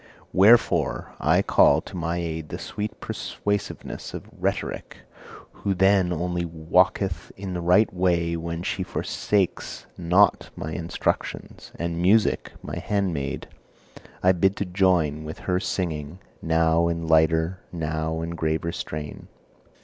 Wherefore I call to my aid the sweet persuasiveness of Rhetoric, who then only walketh in the right way when she forsakes not my instructions, and Music, my handmaid, I bid to join with her singing, now in lighter, now in graver strain.